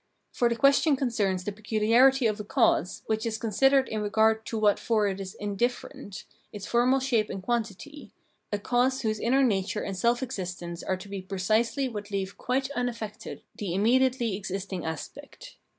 For the question concerns the pecuharity of a cause which is considered in regard to what for it is indifferent, its formal shape and quantity, a cause whose inner nature and self existence are to be precisely what leave quite imaffected the immediately existing aspect.